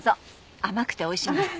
甘くておいしいんです。